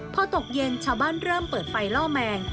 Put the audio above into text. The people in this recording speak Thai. พอตกเย็นชาวบ้านเริ่มเปิดไฟล่อแมง